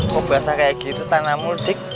kok basah kayak gitu tanahmu cik